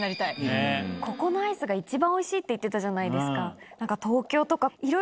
ここのアイスが一番おいしいって言ってたじゃないですか。